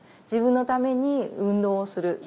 自分のために運動をする。